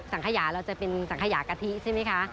สังขยาเราจะเป็นสังขยากะทิใช่ไหมคะ